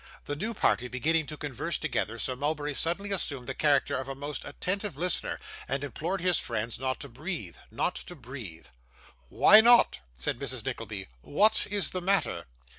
The new party beginning to converse together, Sir Mulberry suddenly assumed the character of a most attentive listener, and implored his friends not to breathe not to breathe. 'Why not?' said Mrs. Nickleby. 'What is the matter?